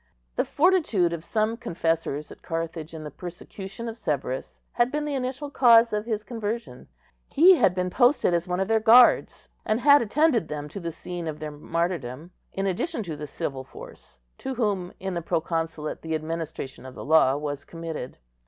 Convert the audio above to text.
The fortitude of some confessors at Carthage in the persecution of Severus had been the initial cause of his conversion. He had been posted as one of their guards, and had attended them to the scene of their martyrdom, in addition to the civil force, to whom in the proconsulate the administration of the law was committed.